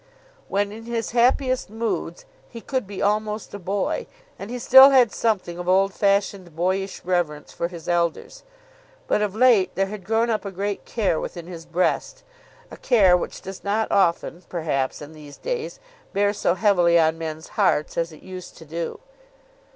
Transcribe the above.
When in his happiest moods he could be almost a boy, and he still had something of old fashioned boyish reverence for his elders. But of late there had grown up a great care within his breast, a care which does not often, perhaps, in these days bear so heavily on men's hearts as it used to do.